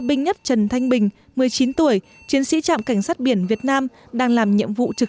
binh nhất trần thanh bình một mươi chín tuổi chiến sĩ trạm cảnh sát biển việt nam đang làm nhiệm vụ trực